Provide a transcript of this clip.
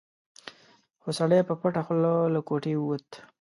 خو سړی په پټه خوله له کوټې ووت.